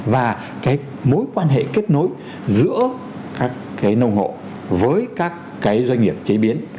và cái mối quan hệ kết nối giữa các cái nông hộ với các cái doanh nghiệp chế biến